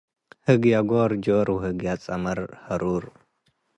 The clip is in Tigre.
ህግየ ጎር ጆር ወህግየ ጸመር ሀሮር።